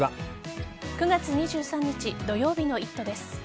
９月２３日土曜日の「イット！」です。